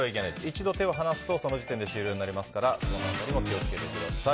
一度手を放すとその時点で終了になりますからその辺りも気を付けてください。